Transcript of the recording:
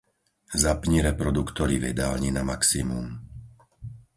Zapni reproduktory v jedálni na maximum.